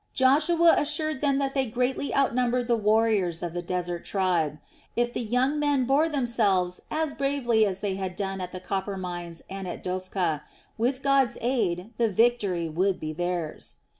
Joshua assured them that they greatly outnumbered the warriors of the desert tribe. If the young men bore themselves as bravely as they had done at the copper mines and at Dophkah, with God's aid the victory would be theirs.